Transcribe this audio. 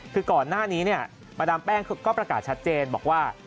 คือก่อนหน้านี้เนี่ยมาดามแป้งก็ประกาศชัดเจนบอกว่า